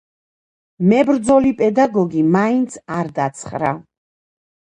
მებრძოლი პედაგოგი მაინც არ დაცხრა.